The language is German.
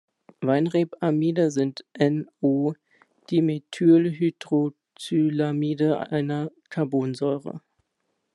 Weinreb-Amide sind "N","O"-Dimethylhydroxylamide einer Carbonsäure.